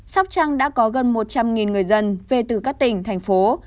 sóc trăng đã có gần một trăm linh người dân về từ các tỉnh thành phố